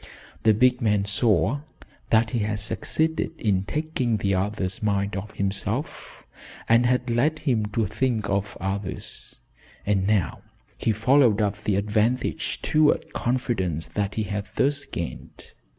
The big man saw that he had succeeded in taking the other's mind off himself, and had led him to think of others, and now he followed up the advantage toward confidence that he had thus gained.